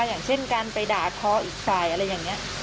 ได้ยอมรับในส่วนอื่นไหมคะการไปด่าพออีกสายอันนี้